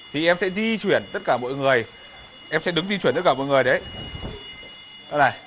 thì em sẽ di chuyển tất cả mọi người em sẽ đứng di chuyển tất cả mọi người đấy